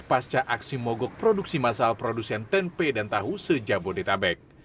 pasca aksi mogok produksi masal produsen tempe dan tahu sejak bodetabek